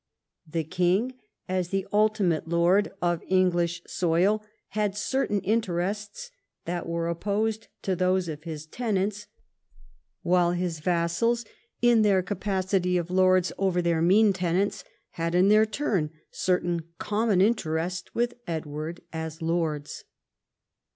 The king, as the ultimate lord of English soil, had certain interests that were opposed to those of his tenants, while his vassals, in their capacity of lords over their mesne tenants, had in their turn certain common interests with Edward as lords.